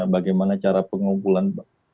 bagaimana cara pengumpulan